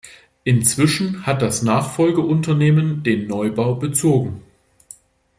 Inzwischen hat das Nachfolgeunternehmen den Neubau bezogen.